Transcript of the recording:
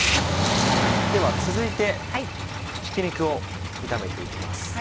では続いてひき肉を炒めて行きます。